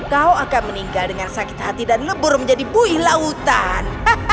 kau akan meninggal dengan sakit hati dan lebur menjadi buih lautan